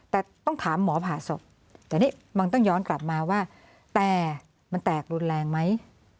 แต่ต้องถามหมอผ่าศพแต่นี่มันต้องย้อนกลับมาว่าแตกมันแตกรุนแรงไหม